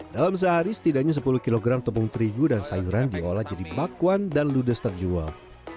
dalam sehari setidaknya sepuluh kg tepung terigu dan sayuran diolah jadi bakwan dan ludes terjual